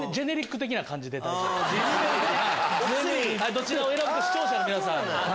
どちら選ぶか視聴者の皆さんが。